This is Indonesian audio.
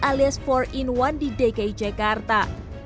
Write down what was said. alias empat in satu di dki jakarta